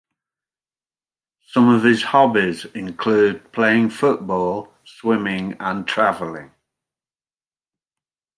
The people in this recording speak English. Some of his hobbies include playing football, swimming, and traveling.